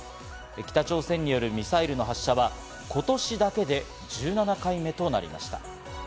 北朝鮮によるミサイルの発射は今年だけで１７回目となりました。